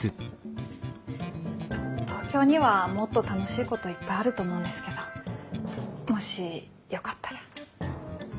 東京にはもっと楽しいこといっぱいあると思うんですけどもしよかったら。